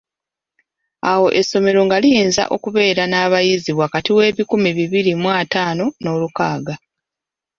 Awo essomero nga liyinza okubeera n’abayizi wakati w'ebikumi bibiri mu ataano n'olukaaga.